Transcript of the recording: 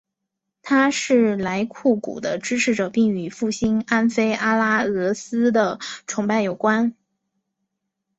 他是莱库古的支持者并与复兴安菲阿拉俄斯的崇拜有关。